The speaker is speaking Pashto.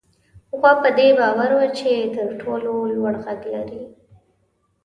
غوا په دې باور وه چې تر ټولو لوړ غږ لري.